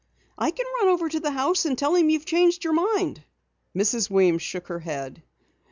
"I can run over to the house and tell him you've changed your mind." Mrs. Weems shook her head.